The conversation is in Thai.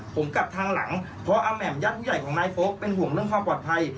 ผมกลับทางหลังเพราะอาแหม่มญาติผู้ใหญ่ของนายโฟลกเป็นห่วงเรื่องความปลอดภัย